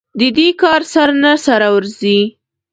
د دې کار سر نه سره ورځي.